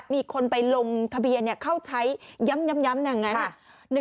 มีคนไปลงทะเบียนเข้าใช้ย้ำอย่างนั้น